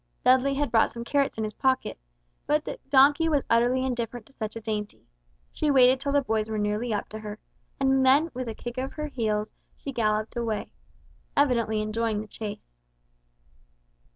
Dudley had brought some carrots in his pocket, but the donkey was utterly indifferent to such a dainty; she waited till the boys were nearly up to her, and then with a kick up of her heels away she galloped, evidently enjoying the chase.